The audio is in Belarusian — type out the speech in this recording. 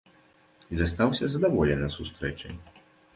І застаўся задаволены сустрэчай.